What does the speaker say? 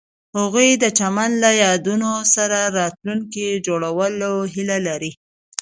هغوی د چمن له یادونو سره راتلونکی جوړولو هیله لرله.